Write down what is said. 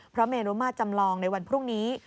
พระเมรุมาตรจำลองในวันพรุ่งนี้